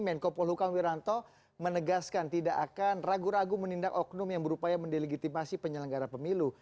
menko polhukam wiranto menegaskan tidak akan ragu ragu menindak oknum yang berupaya mendelegitimasi penyelenggara pemilu